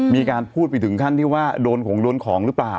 มีการพูดไปถึงขั้นที่ว่าโดนของโดนของหรือเปล่า